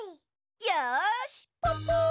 よしポッポ！